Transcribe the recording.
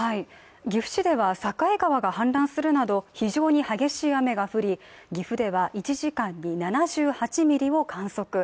岐阜市では境川が氾濫するなど非常に激しい雨が降り岐阜では１時間に７８ミリを観測。